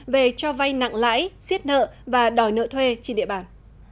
về cho vay nặng lãi xiết nợ và đòi nợ thuê trên địa bàn